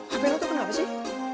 hp lo tuh kenapa sih